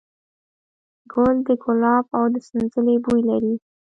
ګل د ګلاب او د سنځلې بوی لري.